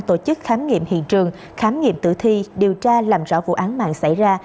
tổ chức khám nghiệm hiện trường khám nghiệm tử thi điều tra làm rõ vụ án mạng xảy ra